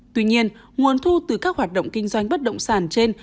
tuy nhiên nguồn thu từ các hoạt động kinh doanh bất động sản trên